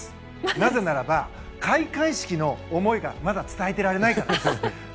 なぜならば開会式の思いがまだ伝えられないからです。